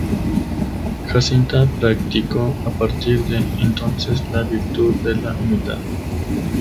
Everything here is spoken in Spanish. Jacinta practicó a partir de entonces la virtud de la humildad.